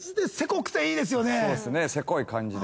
そうですねセコい感じで。